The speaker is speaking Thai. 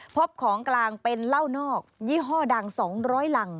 พบของกลางเป็นเหล้านอกยี่ห้อดัง๒๐๐หลัง